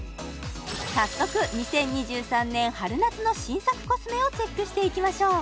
早速２０２３年春夏の新作コスメをチェックしていきましょう